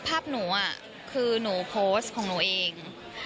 ภาพหนูคือหนูโพสต์ของหนูเอง